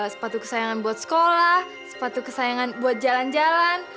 sepatu kesayangan buat sekolah sepatu kesayangan buat jalan jalan